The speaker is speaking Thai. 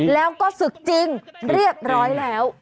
แล้วก็ศึกจริงเรียบร้อยแล้ว